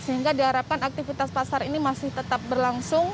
sehingga diharapkan aktivitas pasar ini masih tetap berlangsung